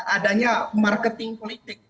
adanya marketing politik